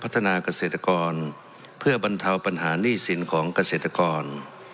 ที่สินของเกษตรกร